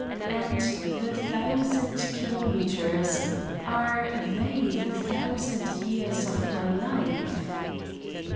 And the thousand kilometers are they the thousand years of my life?